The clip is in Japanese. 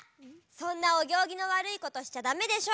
そんなおぎょうぎのわるいことしちゃダメでしょ！